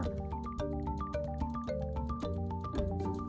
kepala polres sula dan jajarannya